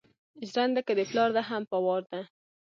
ژرنده که دې پلار ده هم په وار ده.